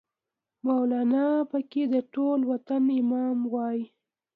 مولانا پکې د ټول وطن امام وای